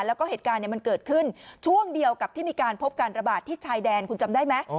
แล้วก็เหตุการณ์มันเกิดขึ้นช่วงเดียวกับที่มีการพบการระบาดที่ชายแดนคุณจำได้ไหม